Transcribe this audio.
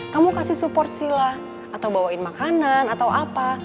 kamu kasih support sila atau bawain makanan atau apa